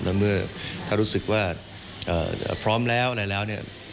แล้วเมื่อถ้ารู้สึกว่าพร้อมแล้วอะไรแล้วเนี่ย